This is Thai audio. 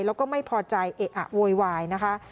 เราก็ไม่พอใจโวยนะคะ